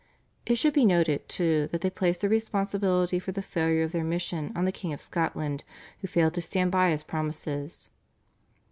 It should be noted, too, that they placed the responsibility for the failure of their mission on the King of Scotland who failed to stand by his promises.